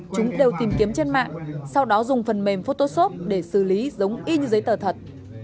chúng đều tìm kiếm trên mạng sau đó dùng phần mềm photosoft để xử lý giống y như giấy tờ thật